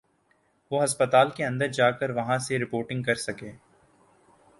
وہ ہسپتال کے اندر جا کر وہاں سے رپورٹنگ کر سکے۔